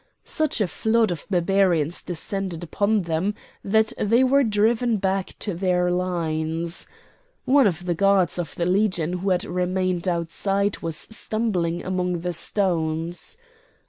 Such a flood of Barbarians descended upon them that they were driven back to their lines. One of the guards of the Legion who had remained outside was stumbling among the stones.